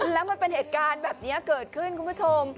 แล้วมันเป็นเหตุการณ์แบบนี้เกิดขึ้นคุณผู้ชม